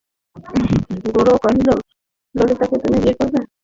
গোরা কহিল, ললিতাকে তুমি বিয়ে করবে?